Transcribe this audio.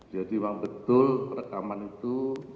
jadi memang betul perekaman itu